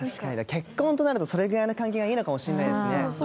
結婚となるとそれぐらいの関係がいいのかもしれないですね。